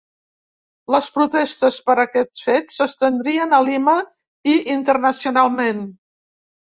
Les protestes per aquest fet s'estendrien a Lima i internacionalment.